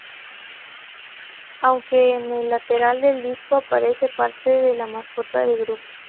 Aunque en el lateral del disco aparece parte de la mascota del grupo.